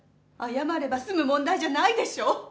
謝れば済む問題じゃないでしょ？